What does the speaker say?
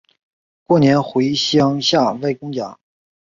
过年回乡下外公家